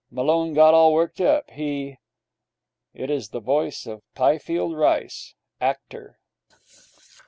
Malone got all worked up. He ' It is the voice of Pifield Rice, actor.